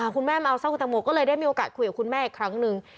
คุณแม่มาเอาเศร้าคุณตังโมก็เลยได้มีโอกาสคุยกับคุณแม่อีกครั้งหนึ่ง